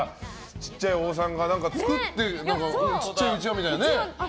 ちっちゃいお子さんが作ってねちっちゃいうちわみたいなのね。